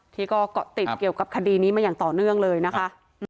ที่ก็เกาะติดเกี่ยวกับคดีนี้มาอย่างต่อเนื่องเลยนะคะ